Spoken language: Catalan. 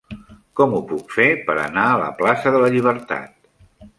Com ho puc fer per anar a la plaça de la Llibertat?